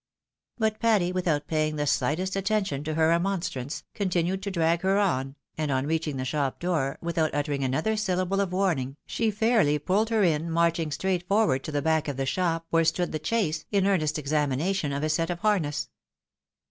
But Patty, without paying the slightest attention to her remonstrance, continued to drag her on, and on reaching the shop door, without uttering another syllable of warning, she fairly pulled her in, marching straight forward to the back of the shop, where stood the chase, in earnest examination of a set of harness.